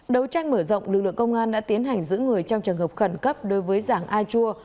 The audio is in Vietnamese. đấu tranh mở rộng lực lượng công an đã tiến hành giữ người trong trường hợp khẩn cấp đối với giảng a chua